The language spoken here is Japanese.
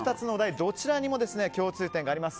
どちらにも共通点があります。